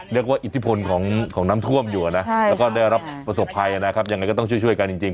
อิทธิพลของน้ำท่วมอยู่นะแล้วก็ได้รับประสบภัยนะครับยังไงก็ต้องช่วยกันจริง